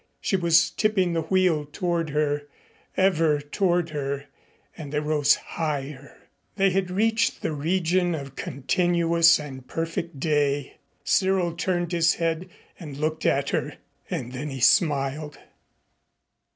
She was tipping the wheel toward her ever toward her, and they rose higher. They had reached the region of continuous and perfect day. Cyril turned his head and looked at her, and then he smiled.